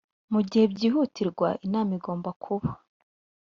mu gihe byihutirwa inama igomba kuba.